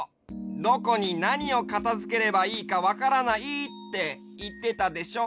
「どこになにをかたづければいいかわからない」っていってたでしょ？